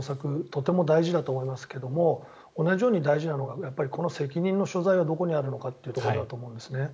とても大事だと思いますが同じように大事なのがこの責任の所在がどこにあるかということだと思うんです。